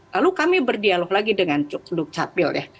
lalu kami berdialog lagi dengan dukcapil ya